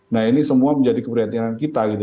nah ini semua menjadi keperhatinan kita gitu